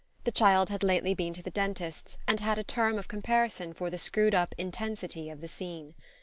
The child had lately been to the dentist's and had a term of comparison for the screwed up intensity of the scene.